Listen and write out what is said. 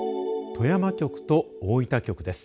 富山局と大分局です。